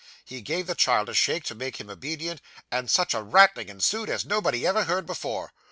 He gave the child a shake to make him obedient, and such a rattling ensued as nobody ever heard before.